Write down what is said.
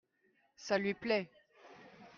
ça lui plait.